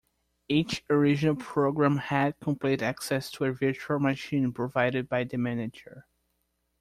Each original program had complete access to a "virtual machine" provided by the manager.